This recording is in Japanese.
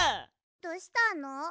どうしたの？